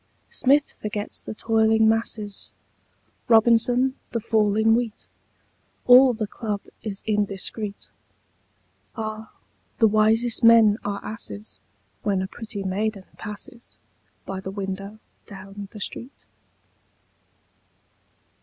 Smith forgets the "toiling masses," Robinson, the fall in wheat; All the club is indiscret. Ah, the wisest men are asses When a pretty maiden passes By the window down the street!